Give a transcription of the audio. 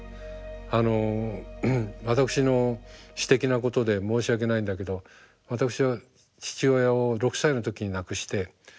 あの私の私的なことで申し訳ないんだけど私は父親を６歳の時に亡くしてほとんど知りません。